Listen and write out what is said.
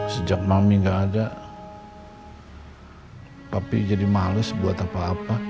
sejak mami gak ada tapi jadi males buat apa apa